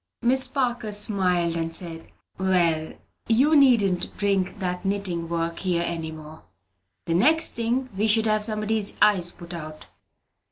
Miss Parker smiled, and said, "Well, you needn't bring that knitting work here any more. The next thing we should have somebody's eyes put out."